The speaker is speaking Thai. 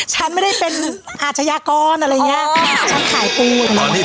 ฉันไม่ได้เป็นอาจยากรฉันขายกู